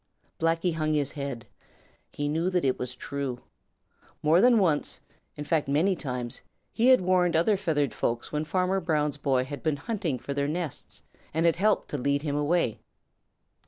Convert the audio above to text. Blacky hung his head. He knew that it was true. More than once, in fact many times, he had warned other feathered folks when Farmer Brown's boy had been hunting for their nests, and had helped to lead him away.